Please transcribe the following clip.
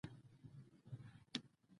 دا اړتیا د دغو ډلو نقش ارزول دي.